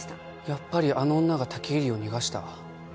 やっぱりあの女が武入を逃がした？